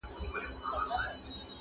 د هر ښار په جنایت کي به شامل وو !